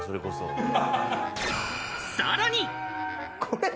さらに！